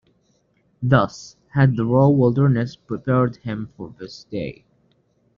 Thus had the raw wilderness prepared him for this day.